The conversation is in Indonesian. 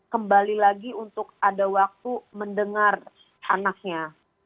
kembali lagi untuk ada waktu mendengar anaknya